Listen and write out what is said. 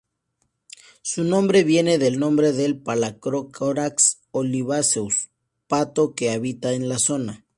Su nombre viene del nombre del "Phalacrocorax olivaceus", pato que habita en la zona.